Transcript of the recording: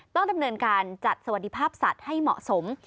ต้องดำเนินการจัดสวัสดิภาพสัตว์ให้เหมาะสม